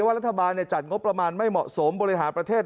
รัฐบาลจัดงบประมาณไม่เหมาะสมบริหารประเทศ